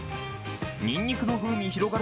にんにくの風味広がる